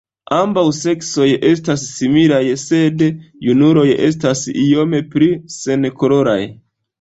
Ambaŭ seksoj estas similaj, sed junuloj estas iome pli senkoloraj.